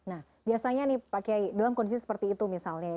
nah biasanya nih pak kiai dalam kondisi seperti itu misalnya